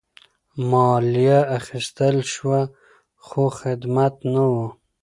مالیه اخیستل شوه خو خدمت نه وو.